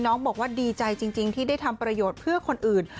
น้องบอกว่าดีใจจริงที่ได้ทำประโยชน์เพื่อคนอื่น